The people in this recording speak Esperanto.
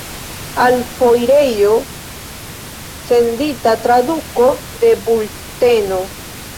Al foirejo sendita traduko de bulteno.